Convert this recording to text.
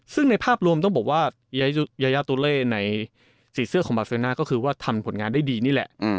ซึ่งในภาพรวมต้องบอกว่ายายาตุเล่ในสีเสื้อของบาเซน่าก็คือว่าทำผลงานได้ดีนี่แหละ